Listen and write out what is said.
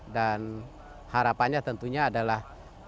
dan harapannya tentunya adalah